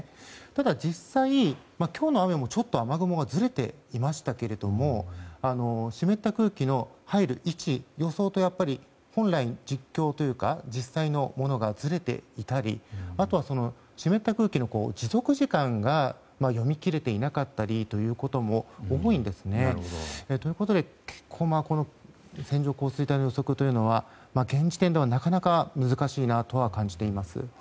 ただ実際、今日の雨もちょっと雨雲がずれていましたけども湿った空気の入る位置、予想と実際のものがずれていたりあるいは湿った空気の持続時間が読み切れていなかったりということも多いんですね。ということで線状降水帯の予測というのは現時点ではなかなか難しいなとは感じています。